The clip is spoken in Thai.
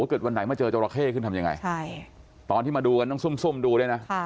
เกิดวันไหนมาเจอจราเข้ขึ้นทำยังไงตอนที่มาดูกันต้องซุ่มดูด้วยนะ